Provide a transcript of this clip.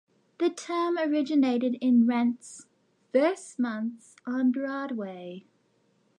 The term originated in "Rent"'s first months on Broadway.